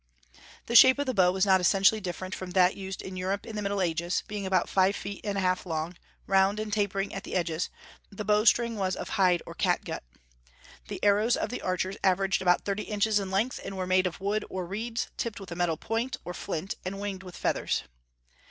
The shape of the bow was not essentially different from that used in Europe in the Middle Ages, being about five feet and a half long, round, and tapering at the ends; the bowstring was of hide or catgut. The arrows of the archers averaged about thirty inches in length, and were made of wood or reeds, tipped with a metal point, or flint, and winged with feathers.